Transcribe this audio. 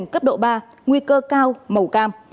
cấp độ ba nguy cơ cao màu cam